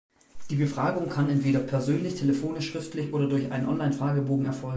Die Befragung kann entweder persönlich, telefonisch, schriftlich oder durch einen Online-Fragebogen erfolgen.